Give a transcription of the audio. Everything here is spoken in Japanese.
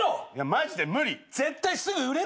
マジで無理！